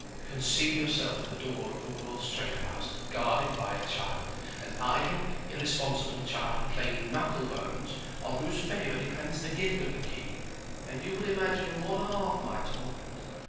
Conceive yourself at the door of the world's treasure house guarded by a child—an idle irresponsible child playing knuckle bones—on whose favor depends the gift of the key, and you will imagine one half my torment.